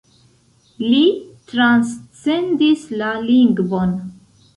Li transcendis la lingvon.